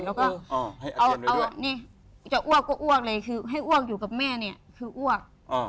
แล้วก็เอานี่จะอ้วกก็อ้วกเลยคือให้อ้วกอยู่กับแม่เนี่ยคืออ้วก